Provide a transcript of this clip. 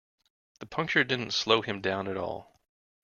The puncture didn't slow him down at all.